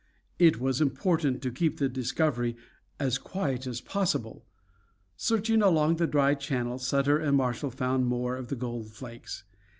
It was important to keep the discovery as quiet as possible. Searching along the dry channel Sutter and Marshall found more of the gold flakes.